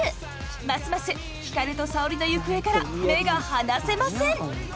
ますます光と沙織の行方から目が離せません！